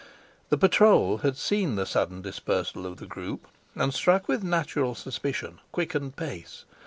The patrol had seen the sudden dispersal of the group, and, struck with natural suspicion, quickened pace.